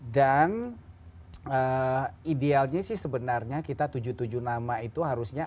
dan idealnya sih sebenarnya kita tujuh tujuh nama itu harusnya